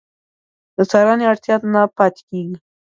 د څارنې اړتیا نه پاتې کېږي.